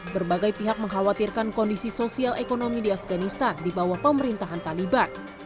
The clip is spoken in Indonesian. berbagai pihak mengkhawatirkan kondisi sosial ekonomi di afganistan di bawah pemerintahan taliban